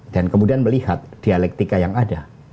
dan kemudian melihat dialektika yang ada